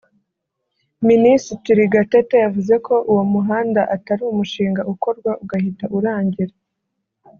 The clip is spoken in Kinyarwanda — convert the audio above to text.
Minisitiri Gatete yavuze ko uwo muhanda atari umushinga ukorwa ugahita urangira